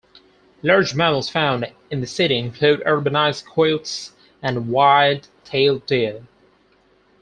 Large mammals found in the city include urbanized coyotes and white-tailed deer.